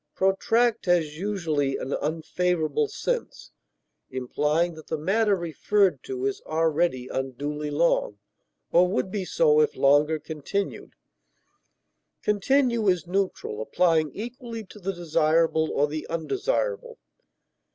Protract has usually an unfavorable sense, implying that the matter referred to is already unduly long, or would be so if longer continued; continue is neutral, applying equally to the desirable or the undesirable.